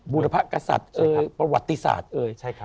บุรพกษัตริย์ประวัติศาสตร์